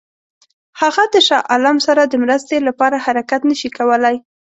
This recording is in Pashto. هغه د شاه عالم سره د مرستې لپاره حرکت نه شي کولای.